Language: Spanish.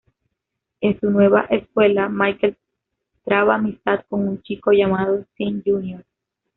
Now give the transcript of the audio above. En su nueva escuela, Michael traba amistad con un chico llamado Sean Jr.